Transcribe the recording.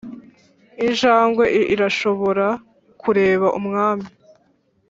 injangwe irashobora kureba umwami